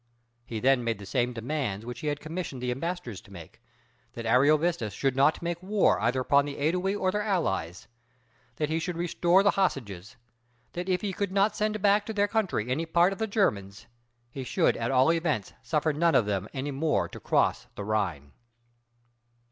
He then made the same demands which he had commissioned the ambassadors to make, that Ariovistus should not make war either upon the Ædui or their allies; that he should restore the hostages; that if he could not send back to their country any part of the Germans, he should at all events suffer none of them any more to cross the Rhine.